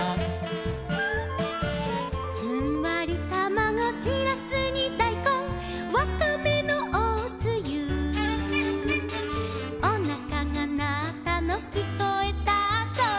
「ふんわりたまご」「しらすにだいこん」「わかめのおつゆ」「おなかがなったのきこえたぞ」